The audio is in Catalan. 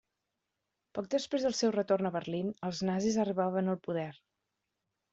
Poc després del seu retorn a Berlín, els nazis arribaven al poder.